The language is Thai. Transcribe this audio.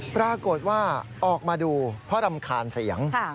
ปรากฏว่าออกมาดูเพราะรำคาญเสียง